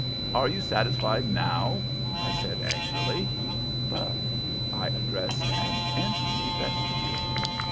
"Are you satisfied now?" I said, angrily. But I addressed an empty vestibule.